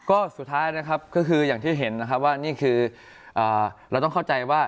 ก็สุดท้ายเนี่ยคืออย่างที่เห็นว่าเราต้องเข้าใจว่า